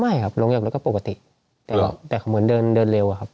ไม่ครับลงจากรถก็ปกติแต่เขาเหมือนเดินเดินเร็วอะครับ